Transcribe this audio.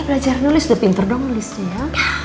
belajar nulis udah pinter dong nulisnya ya